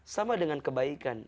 sama dengan kebaikan